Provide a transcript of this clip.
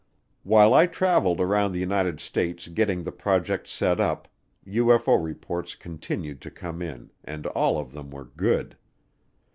While I traveled around the United States getting the project set up, UFO reports continued to come in and all of them were good.